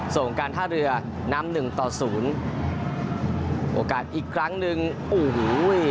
การท่าเรือนำหนึ่งต่อศูนย์โอกาสอีกครั้งหนึ่งโอ้โห